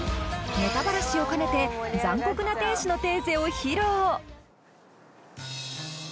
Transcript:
ネタバラシを兼ねて「残酷な天使のテーゼ」を披露。